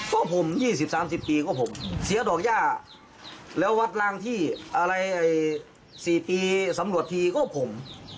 ก็ผม๒๐๓๐ปีก็ผมเสียดอกย่าแล้ววัดร่างที่อะไร๔ปีสำรวจทีก็ผม